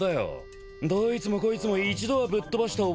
どいつもこいつも一度はぶっ飛ばした覚えがあるぜ。